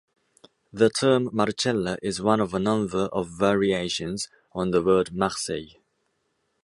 The term "marcella" is one of a number of variations on the word "Marseille".